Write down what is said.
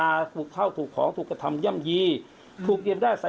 พระอาจารย์ออสบอกว่าอาการของคุณแป๋วผู้เสียหายคนนี้อาจจะเกิดจากหลายสิ่งประกอบกัน